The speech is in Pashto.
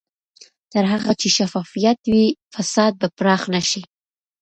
تر هغه چې شفافیت وي، فساد به پراخ نه شي.